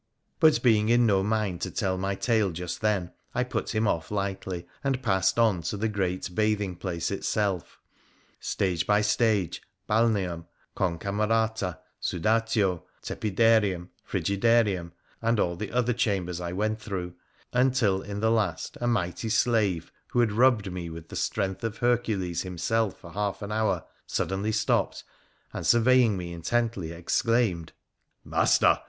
But being in no mind to tell my tale just then, I put him off lightly, and passed on into the great bathing place itself. Stage by stage ' balneum,' ' concamerata,' ' sudatio,' ' tepid arium,' ' frigidarium,' and all their other chambers I went through, until in the last a mighty slave, who had rubbed me with the strength of Hercules himself for half an hour, sud denly stopped, and, surveying me intently, exclaimed —' Master